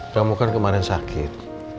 kamu kan kemarin sakit